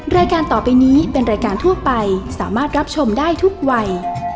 รายการต่อไปนี้เป็นรายการทั่วไปสามารถรับชมได้ทุกวัย